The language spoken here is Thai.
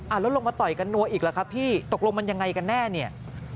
แล้วลงมาต่อยกันนัวอีกเหรอครับพี่ตกลงมันยังไงกันแน่เนี่ย